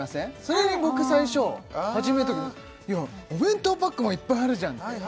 それに僕最初始める時いやお弁当パックもいっぱいあるじゃん